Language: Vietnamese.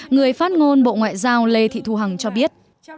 người phát ngôn bộ ngoại giao lê thị thu hằng cho biết